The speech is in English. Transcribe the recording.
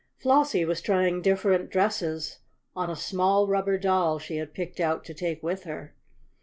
Flossie was trying different dresses on a small rubber doll she had picked out to take with her.